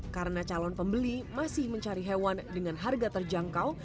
karena calon pembeli masih mencari hewan dengan harga terjangkau